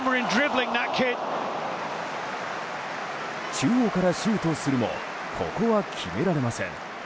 中央からシュートするもここは決められません。